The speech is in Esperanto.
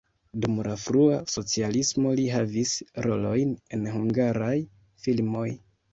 Dum la frua socialismo li havis rolojn en hungaraj filmoj.